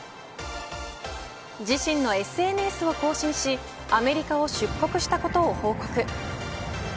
自身のＳＮＳを更新しアメリカを出国したことを報告。